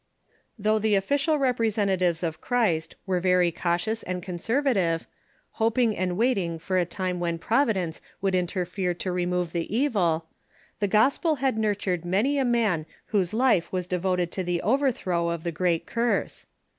Though the official representatives of Christ were very cau tious and conservative, hoping and waiting for a time when Providence would interfere to remove the evil, the Reformers i , t i i t^ , gospel had nurtured many a man whose life was de voted to the overthrow of the great curse.